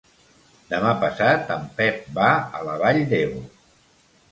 Demà passat en Pep va a la Vall d'Ebo.